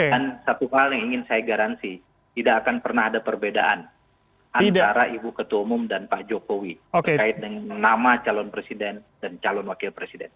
dan satu hal yang ingin saya garansi tidak akan pernah ada perbedaan antara ibu ketua umum dan pak jokowi terkait dengan nama calon presiden dan calon wakil presiden